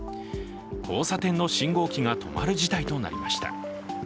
交差点の信号機が止まる事態となりました。